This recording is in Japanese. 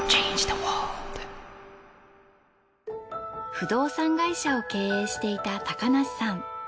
不動産会社を経営していた高梨さん。